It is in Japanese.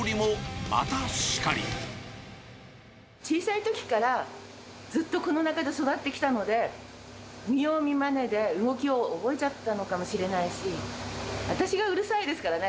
小さいときからずっとこの中で育ってきたので、見よう見まねで動きを覚えちゃったのかもしれないし、私がうるさいですからね。